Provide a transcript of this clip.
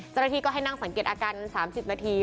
เจ้าหน้าที่ก็ให้นั่งสังเกตอาการ๓๐นาที